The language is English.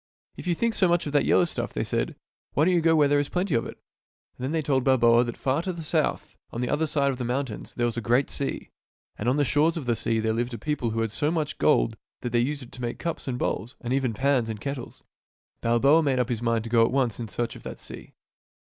" If you think so much of that yellow stuff," they said, " why don't you go where there is plenty of it ?" And then they told Balboa that far to the south, on the other side of the mountains, there was a great sea, and on the shores of the sea" there lived a people who had so much gold that they used it to make cups and bowls and even pans and kettles. Balboa made up his mind to go at once in search of that sea.